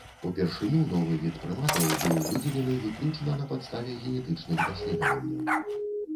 Упершыню новы від прыматаў быў выдзелены выключна на падставе генетычных даследаванняў.